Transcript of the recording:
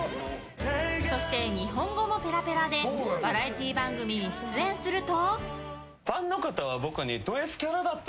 そして日本語もペラペラでバラエティー番組に出演すると。